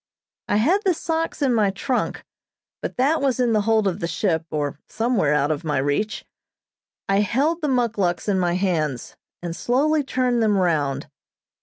I had the socks in my trunk, but that was in the hold of the ship, or somewhere out of my reach. I held the muckluks in my hands, and slowly turned them round.